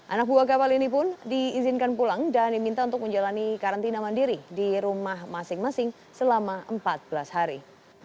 anak buah kapal ini pun diizinkan pulang dan diminta untuk menjalani karantina mandiri di rumah masing masing selama empat belas hari